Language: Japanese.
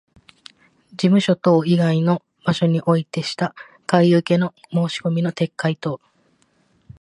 事務所等以外の場所においてした買受けの申込みの撤回等